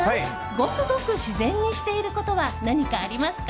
ごくごく自然にしていることは何かありますか？